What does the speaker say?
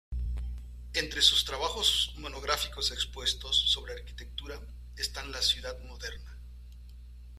Entre sus trabajos monográficos expuestos sobre arquitectura están "La ciudad moderna.